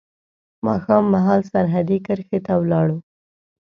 ماښام مهال سرحدي کرښې ته ولاړو.